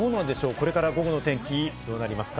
これから午後の天気、どうなりますか？